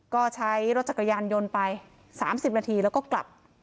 ก็ใช้รถจักรยานยนต์ไป๓๐นาทีแล้วก็กลับ